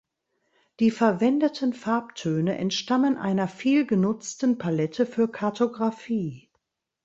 Die verwendeten Farbtöne entstammen einer viel genutzten Palette für Kartografie.